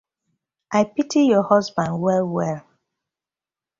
I pity yu husban well well.